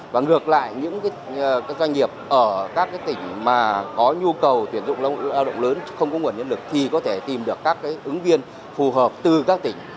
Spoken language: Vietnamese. và ngược lại những doanh nghiệp ở các tỉnh mà có nhu cầu tuyển dụng lao động lớn không có nguồn nhân lực thì có thể tìm được các ứng viên phù hợp từ các tỉnh